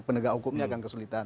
penegak hukumnya akan kesulitan